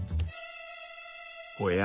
おや？